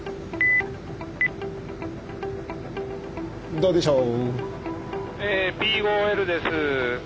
どうでしょう？